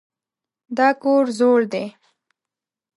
دا کور زوړ دی.